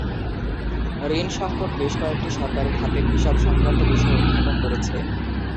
ঋণ সংকট বেশ কয়েকটি সরকারি খাতের হিসাব সংক্রান্ত বিষয় উত্থাপন করেছে।